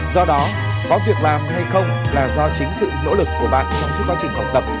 do đó có việc làm hay không là do chính sự nỗ lực của bạn trong suốt quá trình học tập